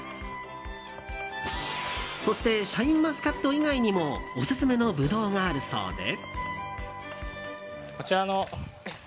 そしてシャインマスカット以外にもオススメのブドウがあるそうで。